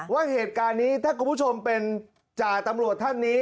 ว่าเหตุการณ์นี้ถ้าคุณผู้ชมเป็นจ่าตำรวจท่านนี้